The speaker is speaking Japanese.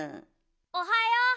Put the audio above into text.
おはよう！